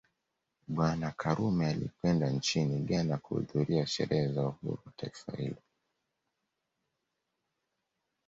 Bwana Karume alikwenda nchini Ghana kuhudhuria sherehe za uhuru wa taifa hilo